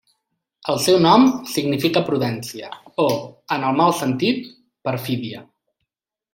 El seu nom significa 'prudència', o, en el mal sentit, 'perfídia'.